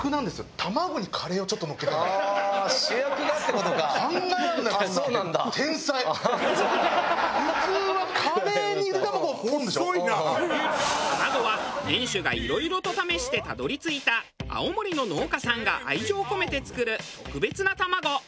卵は店主がいろいろと試してたどり着いた青森の農家さんが愛情を込めて作る特別な卵。